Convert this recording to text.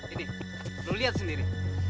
ini lo liat sendiri